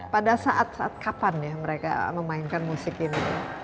pada saat saat kapan ya mereka memainkan musik ini